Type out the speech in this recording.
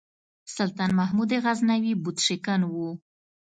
سلطان محمود غزنوي بُت شکن و.